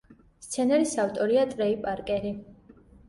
სცენარის ავტორია ტრეი პარკერი.